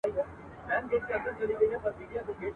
موږ پوهیږو چي پر تاسي څه تیریږي ..